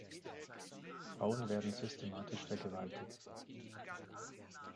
Frauen werden systematisch vergewaltigt.